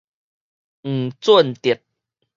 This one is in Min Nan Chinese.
黃俊哲